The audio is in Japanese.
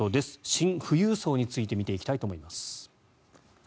シン富裕層について見ていきたいと思います。